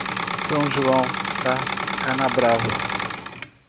São João da Canabrava